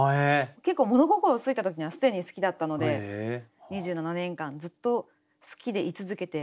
結構物心ついた時には既に好きだったので２７年間ずっと好きで居続けて。